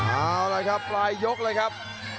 เอาละครับปลายยกเลยครับ